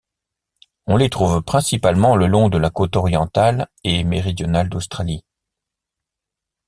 On les trouve principalement le long de la côte orientale et méridionale d'Australie.